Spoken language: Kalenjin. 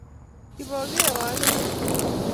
Kipokeo akine